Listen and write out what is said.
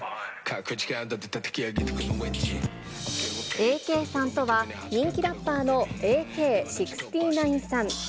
ＡＫさんとは、人気ラッパーのＡＫー６９さん。